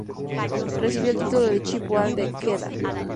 Recibió el título de "Che Puan" de Kedah.